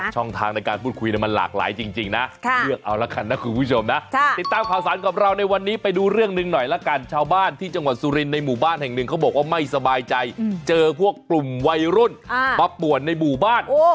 ช่องทางในการพูดคุยมันหลากหลายจริงนะ